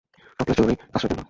Topless জরুরী আশ্রয় কেন্দ্র!